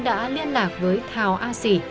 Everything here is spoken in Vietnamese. đã liên lạc với thảo a sì